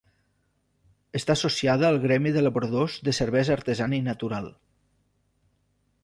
Està associada al Gremi d'Elaboradors de Cervesa Artesana i Natural.